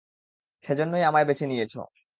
সেজন্যই আমায় বেছে নিয়েছো।